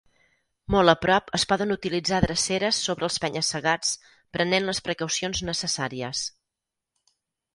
Molt a prop es poden utilitzar dreceres sobre els penya-segats prenent les precaucions necessàries.